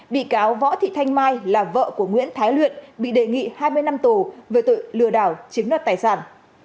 bị cáo võ thị thanh mai là vợ của nguyễn thái luyện bị đề nghị hai mươi năm tù về tội lừa đảo chiếm đoạt tài sản